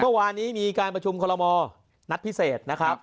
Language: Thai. เมื่อวานนี้มีการประชุมคอลโมนัดพิเศษนะครับ